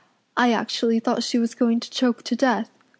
I actually thought she was going to choke to death.